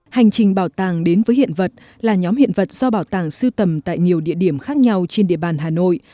hành trình bảo tàng đến với hiện vật là nhóm hiện vật do bảo tàng siêu tầm tại nhiều địa điểm khác nhau trên địa bàn hà nội